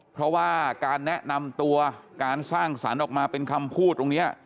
เพราะว่าการแนะนำตัวการสร้างสรรค์ออกมาเป็นคำพูดตรงนี้